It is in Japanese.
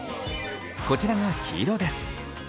こちらが黄色です。